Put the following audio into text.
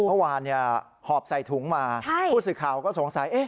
เมื่อวานหอบใส่ถุงมาผู้สื่อข่าวก็สงสัย